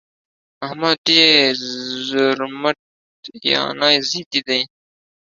احمد ډېر زورمټ يانې ضدي دى.